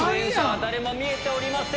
誰も見えておりません。